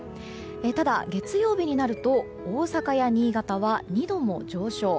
ただ、月曜日になると大阪や新潟は２度も上昇。